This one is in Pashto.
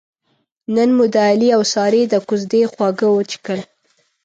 نن مو د علي اوسارې د کوزدې خواږه وڅښل.